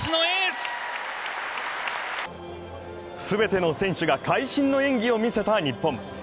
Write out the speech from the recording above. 全ての選手が会心の演技を見せた日本。